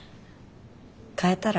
変えたら？